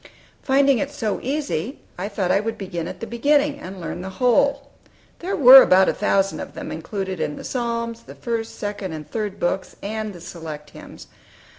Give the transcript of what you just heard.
Finding it so easy, I thought I would begin at the beginning, and learn the whole. There were about a thousand of them included in the Psalms, the First, Second, and Third Books, and the Select Hymns.